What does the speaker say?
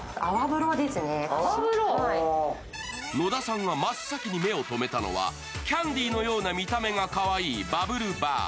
野田さんが真っ先に目をとめたのはキャンディのような見た目がかわいいバブルバー。